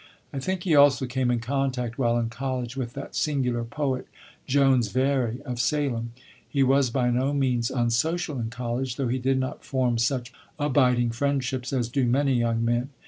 I think he also came in contact, while in college, with that singular poet, Jones Very, of Salem. He was by no means unsocial in college, though he did not form such abiding friendships as do many young men.